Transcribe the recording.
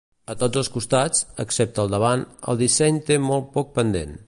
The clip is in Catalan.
A tots els costats, excepte al davant, el disseny té molt poc pendent.